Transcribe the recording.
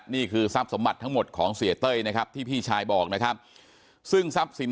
นี่คือทรัพย์สมบัติทั้งหมดของเสียเต้ยนะครับที่พี่ชายบอกนะครับซึ่งทรัพย์สิน